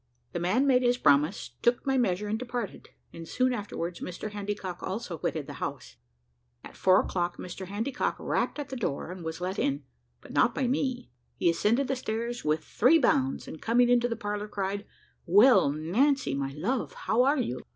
The man made his promise, took my measure, and departed; and soon afterwards Mr Handycock also quitted the house. At four o'clock Mr Handycock rapped at the door, and was let in but not by me. He ascended the stairs with three bounds, and coming into the parlour, cried, "Well, Nancy, my love, how are you?"